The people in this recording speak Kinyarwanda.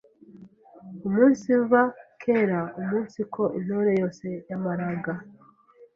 umunsiva kera umunsiko Intore yose yamaraga